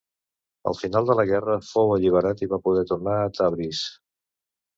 Al final de la guerra fou alliberat i va poder tornar a Tabriz.